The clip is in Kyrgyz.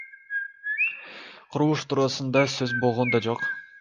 Курулуш туурасында сөз болгон да жок.